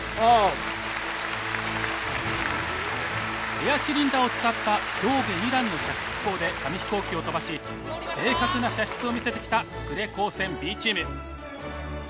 エアシリンダーを使った上下２段の射出機構で紙飛行機を飛ばし正確な射出を見せてきた呉高専Ｂチーム。